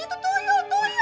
sembarangan kamu bicara ya